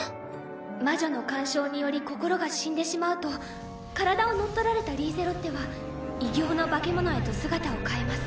魔女の干渉により心が死んでしまうと体を乗っ取られたリーゼロッテは異形のバケモノへと姿を変えます。